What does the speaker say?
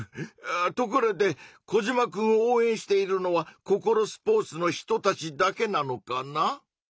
ところでコジマくんを応えんしているのはココロスポーツの人たちだけなのかな？